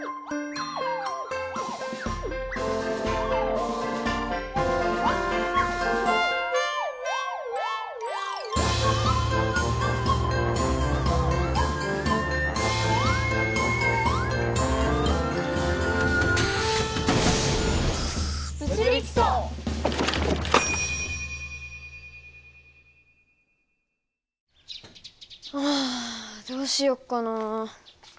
あどうしようかな。